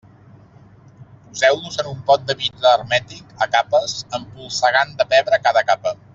Poseu-los en un pot de vidre hermètic, a capes, empolsegant de pebre cada capa.